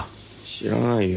知らないよ。